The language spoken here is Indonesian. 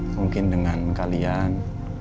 mungkin dengan kalian